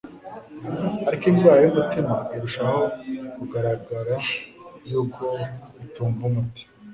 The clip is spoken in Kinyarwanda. ariko indwara y'umutima irushaho kugaragara yuko itumva umuti,